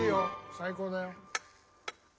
最高だよ。